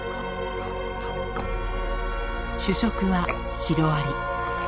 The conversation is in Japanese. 主食はシロアリ。